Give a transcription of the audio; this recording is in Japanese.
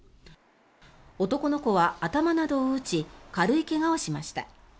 男の子は頭などを打ち軽い怪我をしました。